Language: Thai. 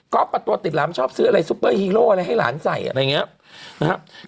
ก็ตัวติดหลามชอบซื้ออะไรซุปเปอร์ฮีโร่อะไรให้หลานใส่อะไรอย่างนี้นะครับ